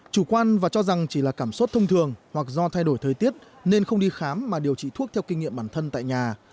chủ quan và cho rằng chỉ là cảm xúc thông thường hoặc do thay đổi thời tiết nên không đi khám mà điều trị thuốc theo kinh nghiệm bản thân tại nhà